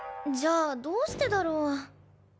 じゃあどうしてだろう？